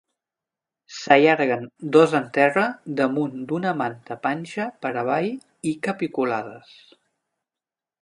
S’allarguen dos en terra damunt d’una manta panxa per avall i capiculades.